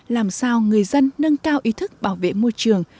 làm sao người dân nâng cao ý thức bảo vệ môi trường